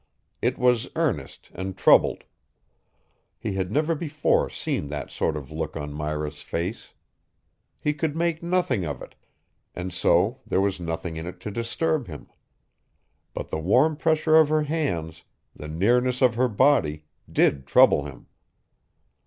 It was earnest and troubled. He had never before seen that sort of look on Myra's face. He could make nothing of it, and so there was nothing in it to disturb him. But the warm pressure of her hands, the nearness of her body, did trouble him.